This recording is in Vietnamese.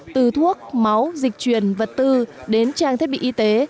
từ thuốc máu dịch truyền vật tư đến trang thiết bị y tế